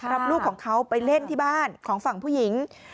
รับลูกของเขาไปเล่นที่บ้านของฝั่งผู้หญิง